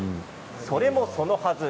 それもそのはず！